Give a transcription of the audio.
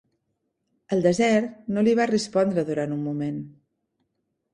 El desert no li va respondre durant un moment.